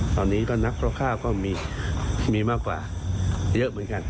ตอนนี้ก็นักคร่าวก็มีมากกว่าเยอะเหมือนกัน